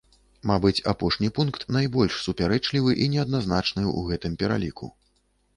Мабыць, апошні пункт найбольш супярэчлівы і неадназначны ў гэтым пераліку.